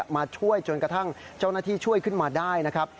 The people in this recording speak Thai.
มาช่วยจนกระทั่งเจ้าหน้าที่ช่วยขึ้นมาได้นะครับ